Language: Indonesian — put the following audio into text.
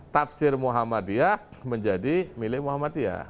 tafsir muhammadiyah menjadi milik muhammadiyah